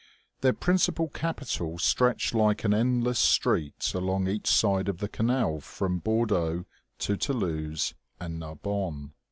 Their principal capital stretched like an endless street along each side of the canal from Bor deaux to Toulouse and Narbonne.